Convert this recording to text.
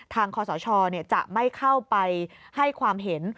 คอสชจะไม่เข้าไปให้ความเห็น